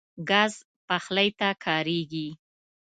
ګاز پخلی ته کارېږي.